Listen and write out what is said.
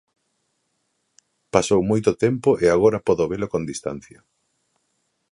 Pasou moito tempo e agora podo velo con distancia.